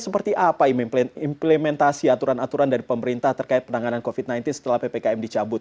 seperti apa implementasi aturan aturan dari pemerintah terkait penanganan covid sembilan belas setelah ppkm dicabut